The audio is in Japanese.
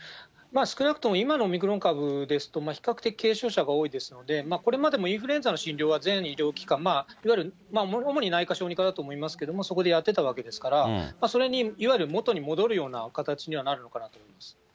少なくとも今のオミクロン株ですと、比較的軽症者が多いですので、これまでもインフルエンザの診療は全医療機関、いわゆる主に内科、小児科だと思いますけれども、そこでやってたわけですから、それにいわゆる元に戻るような形にはなるのかなと思います。